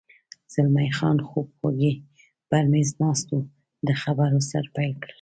زلمی خان خوب وږی پر مېز ناست و، د خبرو سر پیل کړ.